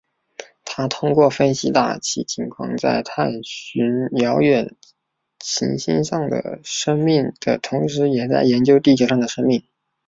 他通过分析大气情况在探寻遥远行星上的生命的同时也在研究地球上的生命。